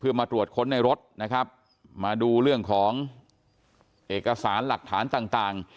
เพื่อมาตรวจค้นในรถนะครับมาดูเรื่องของเอกสารหลักฐานต่างต่าง